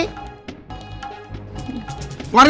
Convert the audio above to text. saya punya bukti